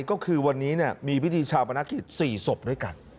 ก็คือวันนี้มีพิธีชาปนกิจ๔ศพด้วยกัน